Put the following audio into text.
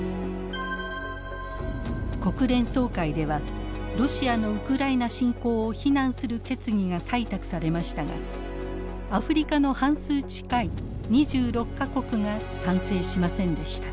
国連総会ではロシアのウクライナ侵攻を非難する決議が採択されましたがアフリカの半数近い２６か国が賛成しませんでした。